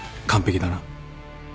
完璧だな。